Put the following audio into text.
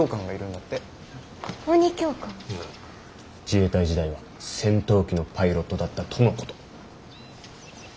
自衛隊時代は戦闘機のパイロットだったとのこと。